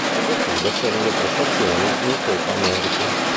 Negative sono le prestazioni in Copa América.